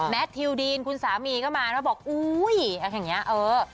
แมททิวดีนคุณสามีก็มาแล้วบอกอุ้ยอย่างนี้